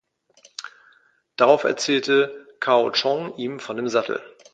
Darauf erzählte Cao Chong ihm von dem Sattel.